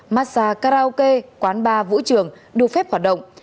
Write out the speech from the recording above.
massage karaoke quán bar vũ trường được phép hoạt động